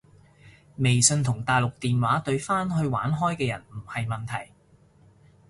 微信同大陸電話對返去玩開嘅人唔係問題